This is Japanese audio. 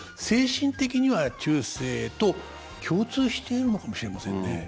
精神的には中世と共通しているのかもしれませんね。